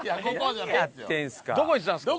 どこ行ってたんですか？